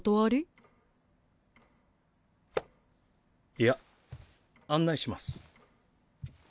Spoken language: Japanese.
いや案内します。